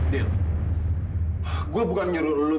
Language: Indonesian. demikian art indah dae